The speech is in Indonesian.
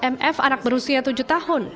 mf anak berusia tujuh tahun